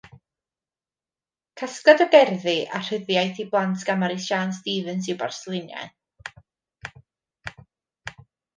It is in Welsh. Casgliad o gerddi a rhyddiaith i blant gan Mari Siân Stevens yw Brasluniau.